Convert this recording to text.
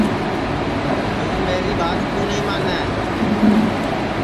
توں میری ٻات کیوں نائی مانے